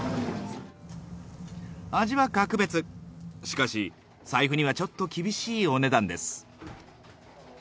しかし、財布にはちょっと厳しいお値段です。